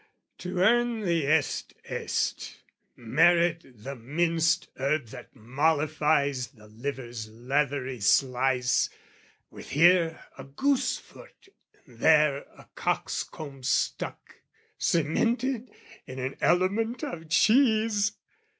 To earn the Est est, merit the minced herb That mollifies the liver's leathery slice, With here a goose foot, there a cock's comb stuck, Cemented in an element of cheese!